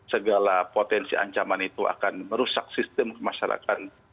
segala potensi ancaman itu akan merusak sistem kemasyarakatan